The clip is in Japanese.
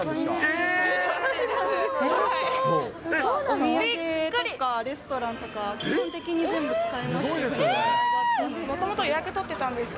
お土産とかレストランとか、基本的に全部使えます。